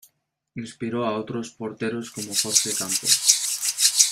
Inspiró a otros porteros como Jorge Campos.